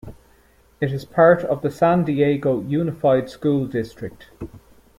It is part of the San Diego Unified School District.